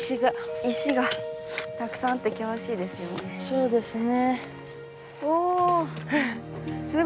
そうですね。